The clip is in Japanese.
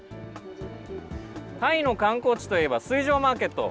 タイの観光地といえば、水上マーケット。